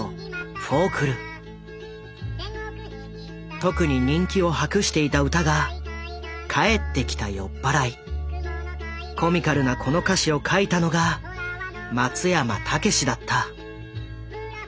特に人気を博していた歌がコミカルなこの歌詞を書いたのが松山猛だった。